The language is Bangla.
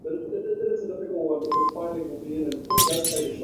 আমি চিন্তা করে দেখলাম, তুমিই এখন আমাকে বিব্রত করছো।